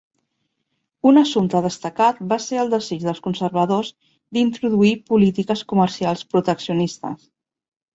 Un assumpte destacat va ser el desig dels conservadors d'introduir polítiques comercials proteccionistes.